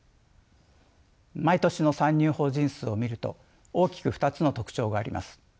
毎年の参入法人数を見ると大きく２つの特徴があります。